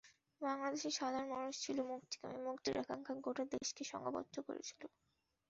বাংলাদেশের সাধারণ মানুষ ছিল মুক্তিকামী, মুক্তির আকাঙ্ক্ষা গোটা দেশকে সংঘবদ্ধ করেছিল।